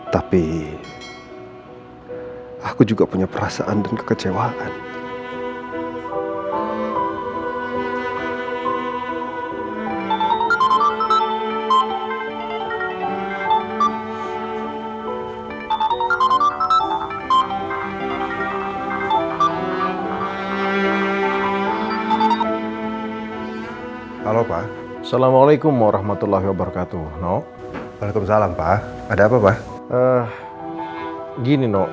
tapi itu adalah urus bayi